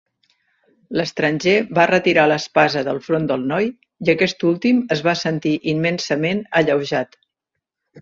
L'estranger va retirar l'espasa del front del noi, i aquest últim es va sentir immensament alleujat.